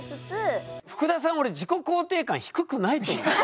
ふくださん俺自己肯定感低くないと思う。